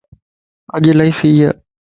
اڄ الائي سي ا